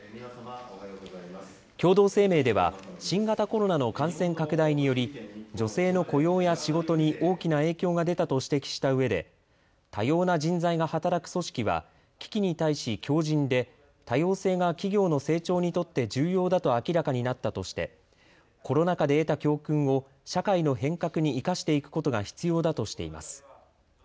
共同声明では新型コロナの感染拡大により女性の雇用や仕事に大きな影響が出たと指摘したうえで多様な人材が働く組織は危機に対し強じんで多様性が企業の成長にとって重要だと明らかになったとしてコロナ禍で得た教訓を社会の変革に生かしていくことが必要だとしています。